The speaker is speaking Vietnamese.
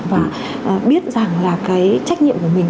và biết rằng là cái trách nhiệm của mình